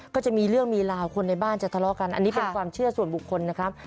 ก็จะมีเรื่องมีราวคนในบ้านจะทะเลาะกันอันนี้เป็นความเชื่อส่วนบุคคลนะครับ